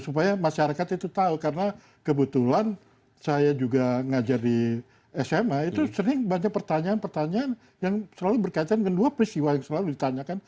supaya masyarakat itu tahu karena kebetulan saya juga ngajar di sma itu sering banyak pertanyaan pertanyaan yang selalu berkaitan dengan dua peristiwa yang selalu ditanyakan